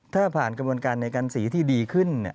ถ้าผ่านกระบวนการในการสีที่ดีขึ้น